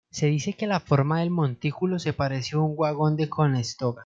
Se dice que la forma del montículo se parece a un wagon de Conestoga.